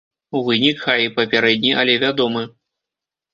Вынік, хай і папярэдні, але вядомы.